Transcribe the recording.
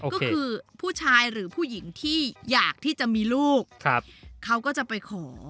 ก็คือผู้ชายหรือผู้หญิงที่อยากที่จะมีลูกเขาก็จะไปขอ